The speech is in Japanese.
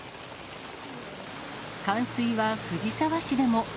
冠水は藤沢市でも。